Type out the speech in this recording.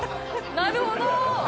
なるほど。